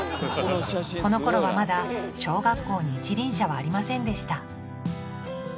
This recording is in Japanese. このころはまだ小学校に一輪車はありませんでした